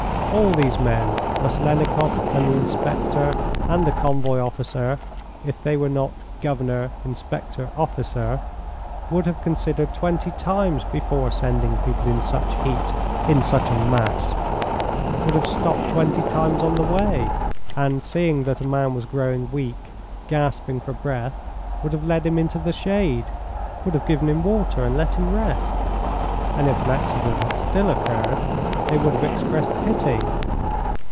All these men, Maslennikoff, and the inspector, and the convoy officer, if they were not governor, inspector, officer, would have considered twenty times before sending people in such heat in such a mass would have stopped twenty times on the way, and, seeing that a man was growing weak, gasping for breath, would have led him into the shade, would have given him water and let him rest, and if an accident had still occurred they would have expressed pity.